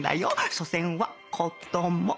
しょせんはこ・ど・も！